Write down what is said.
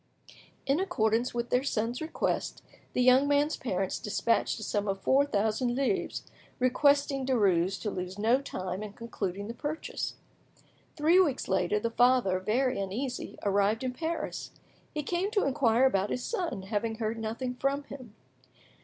In accordance with their son's request, the young man's parents despatched a sum of four thousand livres, requesting Derues to lose no time in concluding the purchase. Three weeks later, the father, very uneasy, arrived in Paris. He came to inquire about his son, having heard nothing from him.